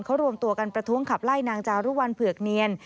เขารวมตัวกันประท้วงขับไล่นางจารุวัลเผือกเนียน